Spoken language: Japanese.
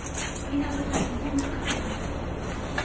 稲葉さんにそんな過去が。